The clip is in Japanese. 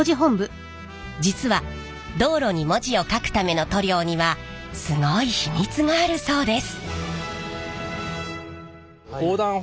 実は道路に文字をかくための塗料にはすごい秘密があるそうです。